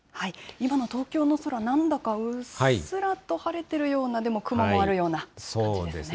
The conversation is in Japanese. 今の東京の空、なんだかうっすらと晴れてるような、でも雲もあるような感じですね。